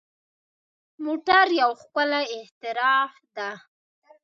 موټر یو ښکلی اختراع ده.